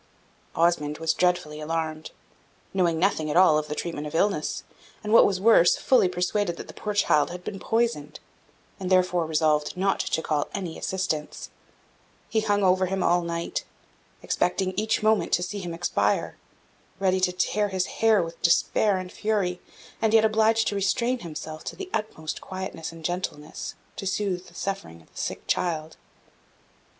Osmond was dreadfully alarmed, knowing nothing at all of the treatment of illness, and, what was worse, fully persuaded that the poor child had been poisoned, and therefore resolved not to call any assistance; he hung over him all night, expecting each moment to see him expire ready to tear his hair with despair and fury, and yet obliged to restrain himself to the utmost quietness and gentleness, to soothe the suffering of the sick child.